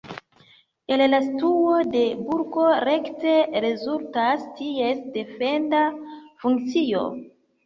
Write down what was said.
El la situo de burgo rekte rezultas ties defenda funkcio.